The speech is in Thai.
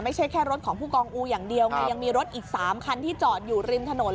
ไม่ใช่แค่รถของผู้กองอูอย่างเดียวไงยังมีรถอีก๓คันที่จอดอยู่ริมถนน